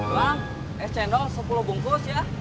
dua es cendol sepuluh bungkus ya